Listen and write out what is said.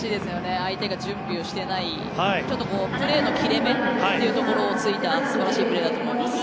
相手が準備していないちょっとプレーの切れ目というところを突いた素晴らしいプレーだと思います。